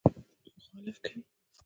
مخالفت کوي.